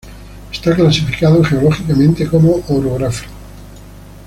Está clasificado geológicamente como orográfico.